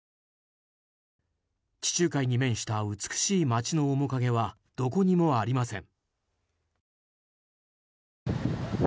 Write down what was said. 地中海に面した美しい街の面影はどこにもありません。